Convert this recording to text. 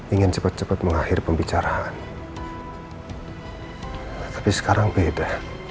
ingin cepet cepet mengakhiri pembicaraan tapi sekarang beda